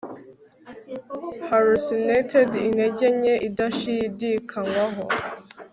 Hallucinated intege nke idashidikanywaho